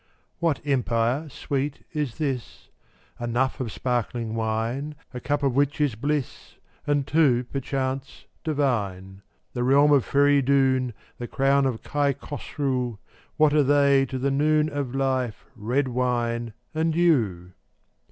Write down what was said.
402 What empire, Sweet, is this: Enough of sparkling wine, A cup of which is bliss, And two, perchance, divine. The realm of Feridoun, The crown of Kai Khosru — What are they to the noon Of life, red wine and you?